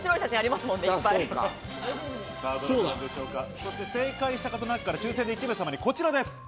そして正解した方の中から抽選で１名様にこちらです。